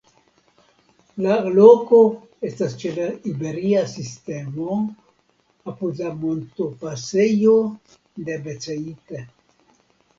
La loko estas ĉe la Iberia Sistemo apud la montopasejo de Beceite.